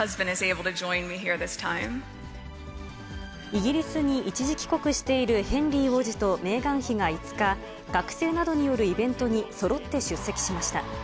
イギリスに一時帰国しているヘンリー王子とメーガン妃が５日、学生などによるイベントにそろって出席しました。